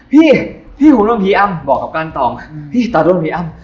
พี่ที่ผมเริ่มหลังผีอำบอกกับการตรองปิดตาด่วนผีอำ